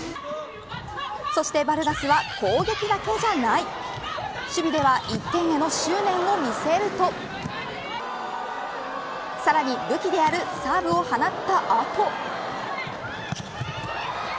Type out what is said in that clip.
そして、バルガスは攻撃だけじゃない守備では１点への執念を見せるとさらに武器であるサーブを放った後。